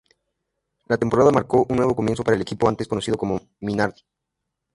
La temporada marcó un nuevo comienzo para el equipo antes conocido como Minardi.